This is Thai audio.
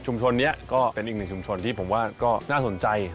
ชุมชนนี้ก็เป็นอีกชุมชนที่ผมก็น่าสนใจ